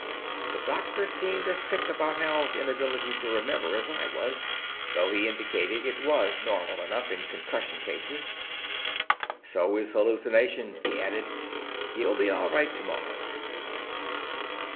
The doctor seemed as sick about Hal's inability to remember as I was, though he indicated it was normal enough in concussion cases. "So is the hallucination," he added. "He'll be all right tomorrow."